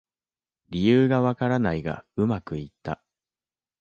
理由がわからないがうまくいった